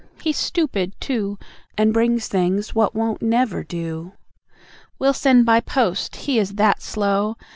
He's stoopid, too, And brings things what won't never do. We'll send by post, he is that slow.